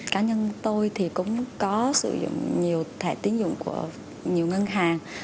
cá nhân tôi thì cũng có sử dụng nhiều thẻ tín dụng của nhiều ngân hàng